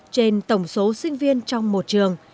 trên tổng số sinh viên trong một trường